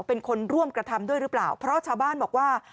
เป็นคนร่วมกระทำด้วยหรือเปล่าเพราะชาวบ้านบอกว่า